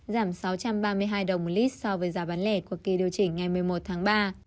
giảm sáu trăm ba mươi hai đồng một lít so với giá bán lẻ của kỳ điều chỉnh ngày một mươi một tháng ba